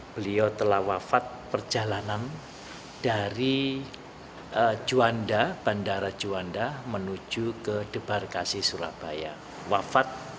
beliau telah wafat perjalanan dari juanda bandara juanda menuju ke debarkasi surabaya wafat